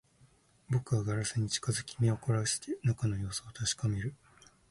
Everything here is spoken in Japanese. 僕はガラスに近づき、目を凝らして中の様子を確かめる